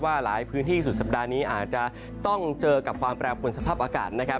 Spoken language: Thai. หลายพื้นที่สุดสัปดาห์นี้อาจจะต้องเจอกับความแปรปวนสภาพอากาศนะครับ